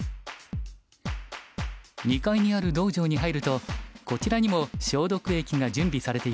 ２階にある道場に入るとこちらにも消毒液が準備されています。